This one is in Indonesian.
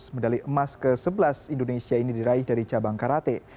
medali emas ke sebelas indonesia ini diraih dari cabang karate